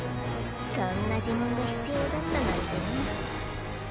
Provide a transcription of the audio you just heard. そんな呪文が必要だったなんてナ。